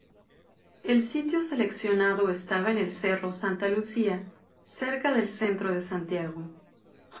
El sitio seleccionado estaba en el cerro Santa Lucía, cerca del centro de Santiago.